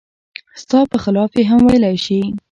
ستا په خلاف یې هم ویلای شي.